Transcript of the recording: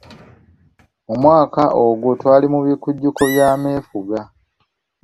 Mu mwaka ogwo twali mu bikujjuko by’amefuga.